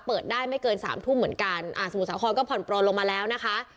เปิดได้ไม่เกินสามทุ่มเหมือนกันอ่าสมุทรสาครก็ผ่อนปลนลงมาแล้วนะคะ